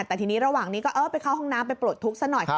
แต่ทีนี้ระหว่างนี้ก็ไปเข้าห้องน้ำไปปลดทุกข์ซะหน่อย